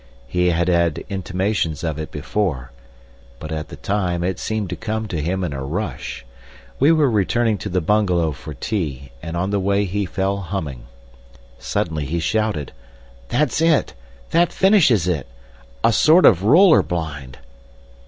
He had had intimations of it before, but at the time it seemed to come to him in a rush. We were returning to the bungalow for tea, and on the way he fell humming. Suddenly he shouted, "That's it! That finishes it! A sort of roller blind!"